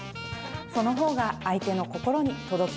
そのほうが相手の心に届きますよ。